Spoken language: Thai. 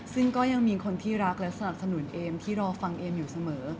ซึ่งก็ยังมีคนที่รักและสนับสนุนเอมที่รอฟังเอมอยู่เสมอ